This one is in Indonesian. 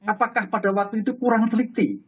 apakah pada waktu itu kurang teliti